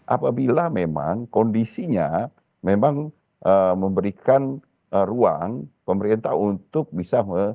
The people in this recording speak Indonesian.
apabila memang kondisinya memang memberikan ruang pemerintah untuk bisa